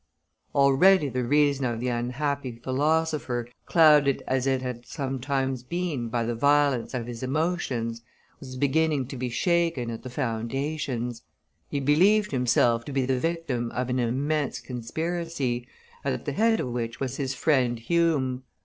Already the reason of the unhappy philosopher, clouded as it had sometimes been by the violence of his emotions, was beginning to be shaken at the foundations; he believed himself to be the victim of an immense conspiracy, at the head of which was his friend Hume.